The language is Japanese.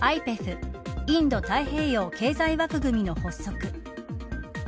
インド太平洋経済枠組みの発足。